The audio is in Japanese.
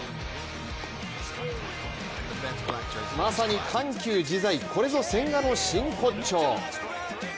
まさに緩急自在、これぞ千賀の真骨頂。